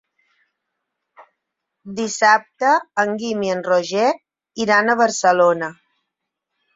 Dissabte en Guim i en Roger iran a Barcelona.